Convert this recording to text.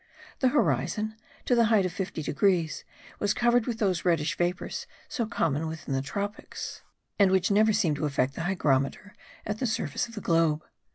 The horizon, to the height of 50 degrees, was covered with those reddish vapours so common within the tropics, and which never seem to affect the hygrometer at the surface of the globe.